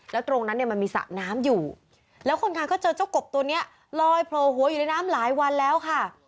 แล้วตรงนั้นเนี่ยมันมีสระน้ำอยู่แล้วคนงานก็เจอเจ้ากบตัวนี้ลอยโผล่หัวอยู่ในน้ำหลายวันแล้วค่ะ